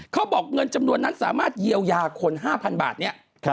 เขาบอกเงินจำนวนนั้นสามารถเยียวยาคน๕๐๐บาทเนี่ย